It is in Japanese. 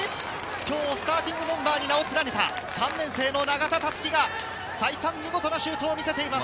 今日、スターティングメンバーに名を連ねた永田樹が再三、見事なシュートを見せています。